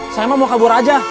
saya mau kabur aja